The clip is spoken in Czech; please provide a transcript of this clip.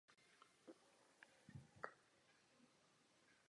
Válcová zámecká kaple je umístěna v severozápadním nároží.